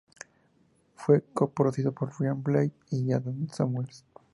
Fue co-producido por Brian Blade y Adam Samuels.